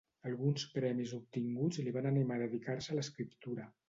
Alguns premis obtinguts li van animar a dedicar-se a l'escriptura.